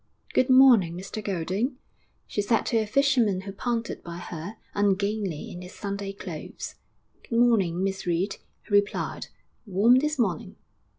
'Good morning, Mr Golding!' she said to a fisherman who pounded by her, ungainly in his Sunday clothes. 'Good morning, Miss Reed!' he replied. 'Warm this morning.'